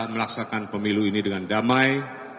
melaksanakan pemilu ini dengan damai